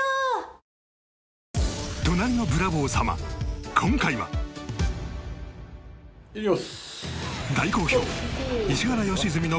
『隣のブラボー様』今回は。いきます。